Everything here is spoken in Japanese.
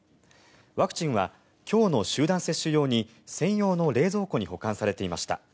ワクチンは今日の集団接種用に専用の冷蔵庫に保管されていました。